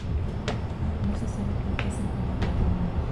No se sabe porque se acabara el mundo.